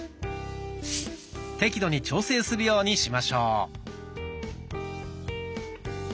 適度に調整するようにしましょう。